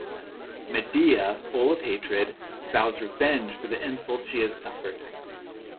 Medea, full of hatred, vows revenge for the insults she has suffered.